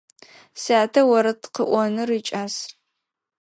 Сятэ орэд къыӏоныр икӏас.